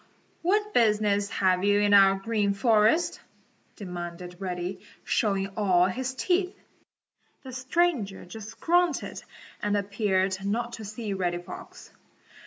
"What business have you in our Green Forest?" demanded Reddy, showing all his teeth. The stranger just grunted and appeared not to see Reddy Fox.